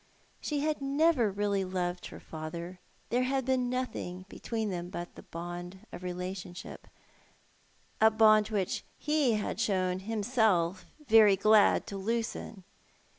She had never really loved her father ; there had been nothing between them but the bond of relationship — a bond which ho had shown himself very glad to loosen.